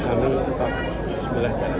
kami tetap semoga berjaya